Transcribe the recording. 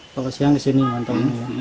kalau ke siang kesini mantap